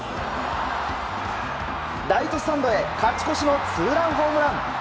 ライトスタンドへ勝ち越しのツーランホームラン。